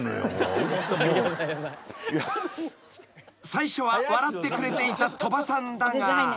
［最初は笑ってくれていた鳥羽さんだが］